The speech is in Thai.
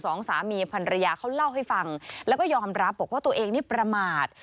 สองสามีพันรยาเขาเล่าให้ฟังแล้วก็ยอมรับบอกว่าตัวเองนี่ประมาท